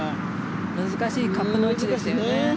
難しいカップの位置でしたよね。